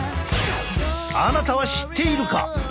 あなたは知っているか？